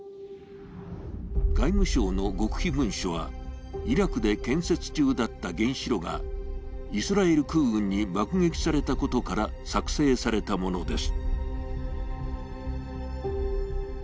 外務省の極秘文書はイラクで建設中だった原子炉がイスラエル空軍に爆撃されたことから作成されたものです。